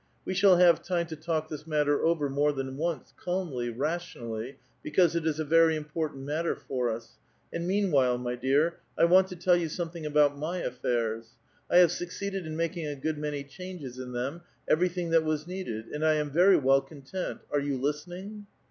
We shall have time to talk this matter over more than once, calmly, rationally, because it is * Very important matter for us. And, meanwhile, my dear,* I Want to tell you something about my affairs. I have suc ceeded in making a good many changes in them, — every thing that was needed ; and I am very well content. Are you listening?"